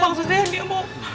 maksudnya dia mau